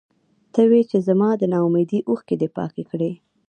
ته وې چې زما د نا اميدۍ اوښکې دې پاکې کړې.